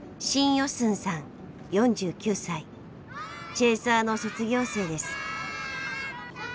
チェーサーの卒業生です。